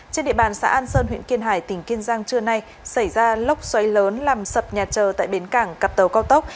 trên địa bàn xã an sơn huyện kiên hải tỉnh kiên giang trưa nay xảy ra lốc xoáy lớn làm sập nhà trờ tại bến cảng cặp tàu cao tốc